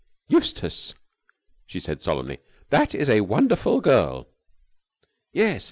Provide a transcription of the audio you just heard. "Eustace," she said, solemnly, "that is a wonderful girl!" "Yes!